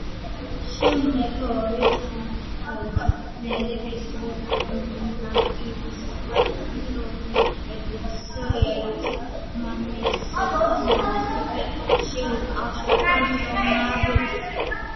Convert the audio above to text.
შედგება ორი ჩაზნექილი ფირფიტისაგან, რომლებიც ერთმანეთს ზედა ნაწილში უკავშირდება ზონარით.